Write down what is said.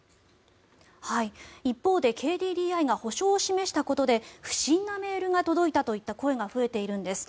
一方で、ＫＤＤＩが補償を示したことで不審なメールが届いたといった声が増えているんです。